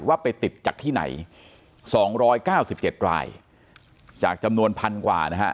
ว่าไปติดจากที่ไหน๒๙๗รายจากจำนวนพันกว่านะฮะ